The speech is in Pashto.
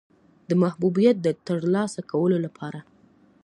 د محبوبیت د ترلاسه کولو لپاره.